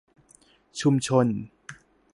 ชุมชน